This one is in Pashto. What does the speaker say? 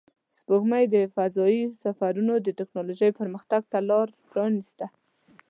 سپوږمۍ د فضایي سفرونو د تکنالوژۍ پرمختګ ته لار پرانیسته